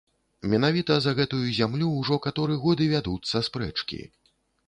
Менавіта за гэтую зямлю ўжо каторы год і вядуцца спрэчкі.